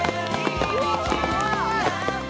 うわ！